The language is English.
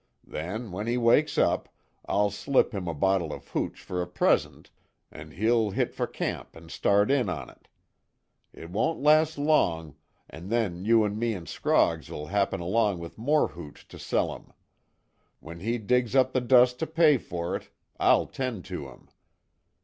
Then, when he wakes up, I'll slip him a bottle of hooch fer a present, an' he'll hit fer camp and start in on it. It won't last long, an' then you an' me an' Scroggs will happen along with more hooch to sell him. When he digs up the dust to pay fer it, I'll tend to him.